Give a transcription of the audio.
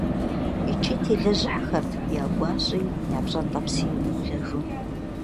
ИкӀи телэжьыхьхэрт я гуащӀи, я пщӀэнтӀэпси емыблэжу.